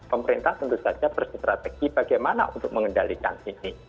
pemerintah tentu saja bersi strategi bagaimana untuk mengendalikan ini